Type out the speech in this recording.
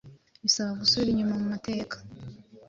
bisaba gusubira inyuma mu mateka